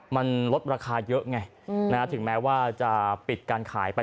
มันลดราคาเยอะไงถึงแม้ว่าจะปิดการขายไป